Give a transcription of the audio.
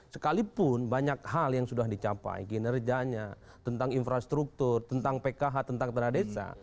sekalipun banyak hal yang sudah dicapai kinerjanya tentang infrastruktur tentang pkh tentang tanah desa